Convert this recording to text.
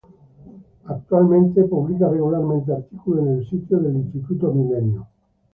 Actualmente, publica regularmente artículos en el sitio del Instituto Millenium.